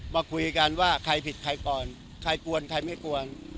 มาคุยกันว่าใครผิดใครก่อนใครกวนใครไม่กวน